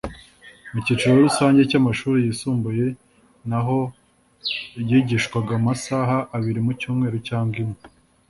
Mu cyiciro rusange cy’amashuri yisumbuye naho ryigishwaga amasaha abiri mu cyumweru cyangwa imwe